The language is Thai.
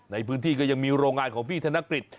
ในพื้นที่ก็ยังมีโรงงานของพี่ธนกฤษ